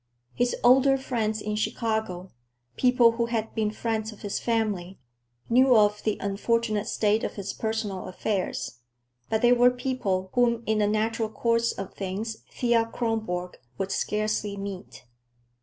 His older friends in Chicago, people who had been friends of his family, knew of the unfortunate state of his personal affairs; but they were people whom in the natural course of things Thea Kronborg would scarcely meet.